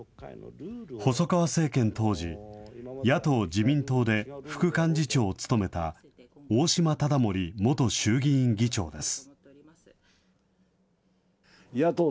細川政権当時、野党・自民党で副幹事長を務めた大島理森元衆議院議長です。